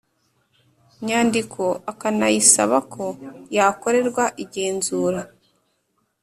nyandiko akanayisaba ko yakorerwa igenzura